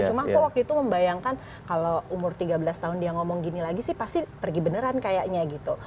cuma aku waktu itu membayangkan kalau umur tiga belas tahun dia ngomong gini lagi sih pasti pergi beneran kayaknya gitu